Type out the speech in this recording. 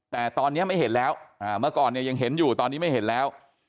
แต่ตอนนี้ไม่เห็นแล้วเมื่อก่อนเนี่ยยังเห็นอยู่ตอนนี้ไม่เห็นแล้ว